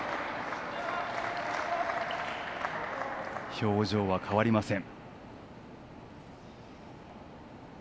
表情は変わりません。